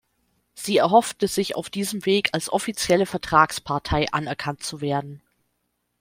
Sie erhoffte sich auf diesem Weg, als offizielle Vertragspartei anerkannt zu werden.